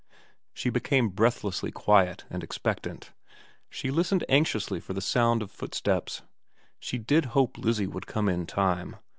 She became breathlessly quiet and expectant. She listened anxiously for the sound of footsteps. She did hope Lizzie would come in time.